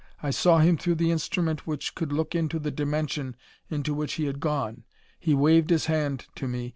I saw him through the instrument which could look into the dimension into which he had gone. He waved his hand to me.